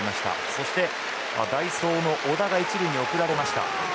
そして、代走の小田が１塁に送られました。